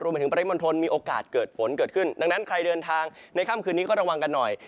มาถึงปริมณฑลมีโอกาสเกิดฝนเกิดขึ้นดังนั้นใครเดินทางในค่ำคืนนี้ก็ระวังกันหน่อย